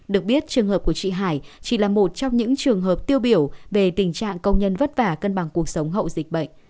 được biết trường hợp của chị hải chỉ là một trong những trường hợp tiêu biểu về tình trạng công nhân vất vả cân bằng cuộc sống hậu dịch bệnh